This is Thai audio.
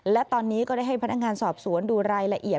และตอนนี้ก็ได้ให้พนักงานสอบสวนดูรายละเอียด